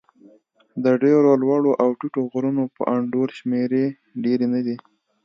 د ډېرو لوړو او ټیټو غرونو په انډول شمېرې ډېرې نه دي.